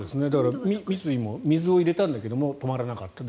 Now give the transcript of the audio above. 三井も水を入れたんだけど止まらなかった。